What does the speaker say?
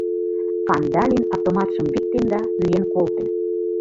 Кандалин автоматшым виктен да лӱен колтен.